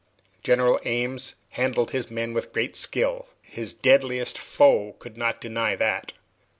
General Ames handled his men with great skill; his deadliest foe could not deny that.